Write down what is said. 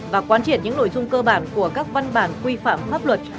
và quán triển những nội dung cơ bản của các văn bản quy phạm pháp luật